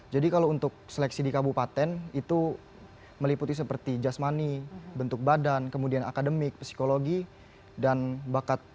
jadi kalau untuk seleksi di kabupaten itu meliputi seperti just money bentuk badan kemudian akademik psikologi dan bakat